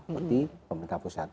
seperti pemerintah pusat